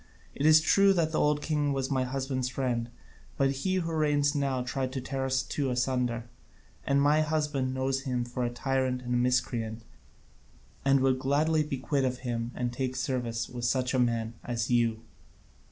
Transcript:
It is true that the old king was my husband's friend, but he who reigns now tried to tear us two asunder, and my husband knows him for a tyrant and a miscreant, and would gladly be quit of him and take service with such a man as you."